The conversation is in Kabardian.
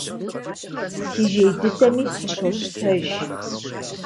Си жей дыдэми сыщощтэж.